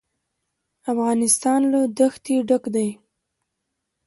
افغانستان له دښتې ډک دی.